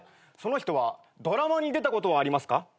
その人はドラマに出たことはありますか？